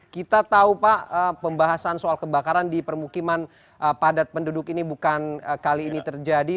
kita tahu pak pembahasan soal kebakaran di permukiman padat penduduk ini bukan kali ini terjadi